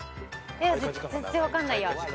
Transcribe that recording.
全然分かんないや。